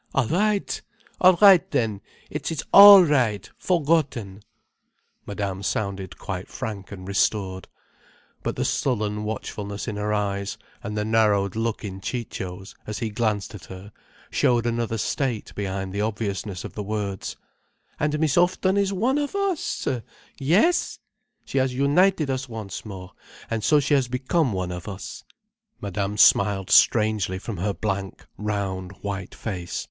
"All right! All right then! It is all right—forgotten—" Madame sounded quite frank and restored. But the sullen watchfulness in her eyes, and the narrowed look in Ciccio's, as he glanced at her, showed another state behind the obviousness of the words. "And Miss Houghton is one of us! Yes? She has united us once more, and so she has become one of us." Madame smiled strangely from her blank, round white face.